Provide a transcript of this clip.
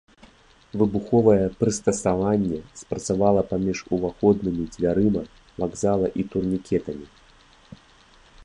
Выбуховае прыстасаванне спрацавала паміж уваходнымі дзвярыма вакзала і турнікетамі.